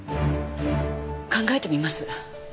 考えてみます。